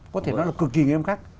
có thể nói là cực kỳ nghiêm khắc